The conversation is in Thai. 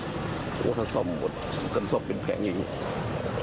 ดูว่าเขาซ่อมเผ่นนนบ่ขนส่อมเป็นแผงอย่างนี้